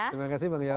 terima kasih bang yos